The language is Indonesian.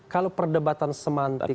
kalau perdebatan semantik